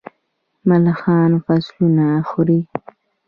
ملخان فصلونه خوري.